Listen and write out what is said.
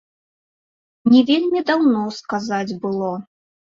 Не вельмі даўно, сказаць, было.